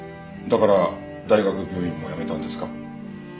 だから大学病院も辞めたんですか？